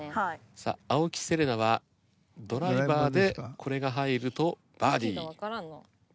さあ青木瀬令奈はドライバーでこれが入るとバーディー。